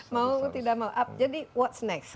mau tidak mau jadi what's next